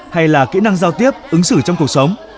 hay là kỹ năng giao tiếp ứng xử trong cuộc sống